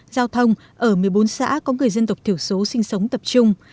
giao thông ở một mươi bốn xã có người dân tộc thiểu số sinh sống tập trung